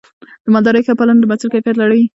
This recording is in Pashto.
د مالدارۍ ښه پالنه د محصول کیفیت لوړوي.